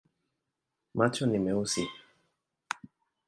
Macho ni meusi.